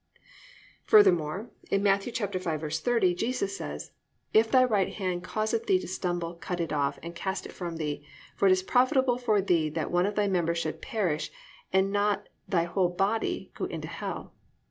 Furthermore, in Matt. 5:30 Jesus says: +"If thy right hand causeth thee to stumble, cut it off, and cast it from thee; for it is profitable for thee that one of thy members should perish, and not thy whole body go into hell."